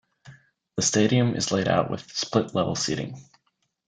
The stadium is laid out with split-level seating.